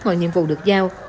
mọi nhiệm vụ được giao